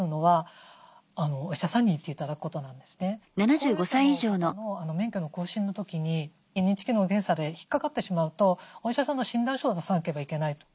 高齢者の方の免許の更新の時に認知機能の検査で引っかかってしまうとお医者さんの診断書を出さなければいけないと。